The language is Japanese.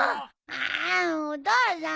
あんお父さん